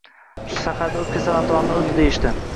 Shaharda, o`pka saratonidan o`ldi, deyishdi